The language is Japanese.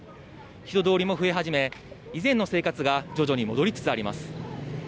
人通りも増え始め、以前の生活が徐々に戻りつつあります。